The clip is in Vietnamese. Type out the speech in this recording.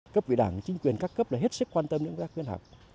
cấp ủy đảng chính quyền các cấp là hết sức quan tâm đến các khuyến học